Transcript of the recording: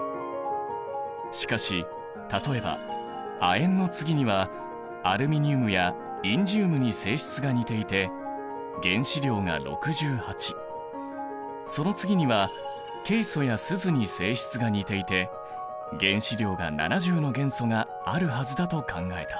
しかし例えば亜鉛の次にはアルミニウムやインジウムに性質が似ていて原子量が６８その次にはケイ素やスズに性質が似ていて原子量が７０の元素があるはずだと考えた。